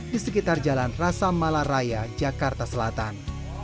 di sekitar jalan rasa malaraya jakarta selatan